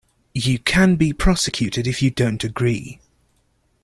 You can be prosecuted if you don't agree.